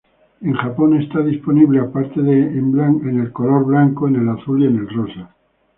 En Japón está disponible, aparte de en color blanco, en azul y en rosa.